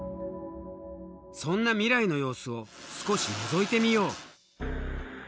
そんな未来の様子を少しのぞいてみよう。